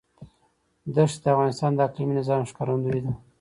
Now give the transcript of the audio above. ښتې د افغانستان د اقلیمي نظام ښکارندوی ده.